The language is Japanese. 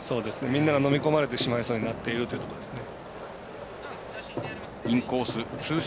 みんながのみ込まれてしまいそうになっているというところですね。